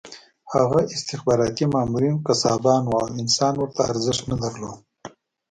هغه استخباراتي مامورین قصابان وو او انسان ورته ارزښت نه درلود